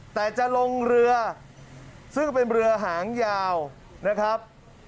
แต่จะลงเรือซึ่งเป็นเรือหางยาวนะครับ